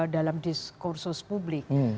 dalam diskursus publik